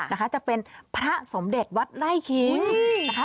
นะคะจะเป็นพระสมเด็จวัดไล่คิงนะคะ